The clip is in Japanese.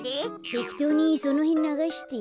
てきとうにそのへんながしてよ。